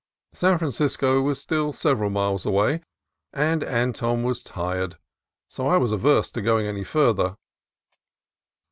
San Francisco was still several miles away, and Anton was tired, so I was averse to going any farther.